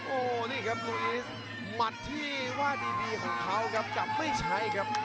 โอ้นี่ครับลูอีสมัดที่ว่าดีของเขากับกับไม่ใช่ครับ